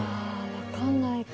わかんないか。